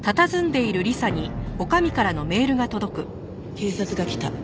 「警察が来た。